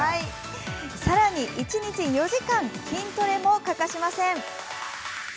さらに、１日４時間筋トレも欠かしません。